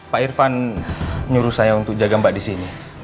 pak irfan nyuruh saya untuk jaga mbak disini